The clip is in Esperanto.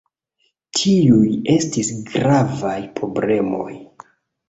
Tiuj estis gravaj problemoj.